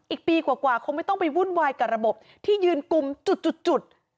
อีกปีกว่าคงไม่ต้องไปวุ่นวายกับระบบที่ยืนกลุ่มจุด